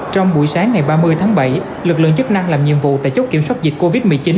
trong buổi sáng ngày ba mươi tháng bảy lực lượng chức năng làm nhiệm vụ tại chốt kiểm soát dịch covid một mươi chín